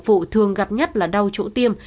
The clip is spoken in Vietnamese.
phụ thường gặp nhất là đau chỗ tiêm